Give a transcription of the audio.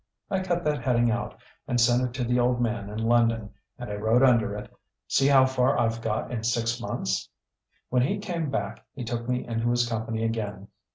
I cut that heading out and sent it to the old man in London, and I wrote under it, 'See how far I've got in six months.' When he came back he took me into his company again....